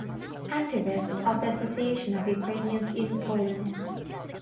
Activist of the Association of Ukrainians in Poland.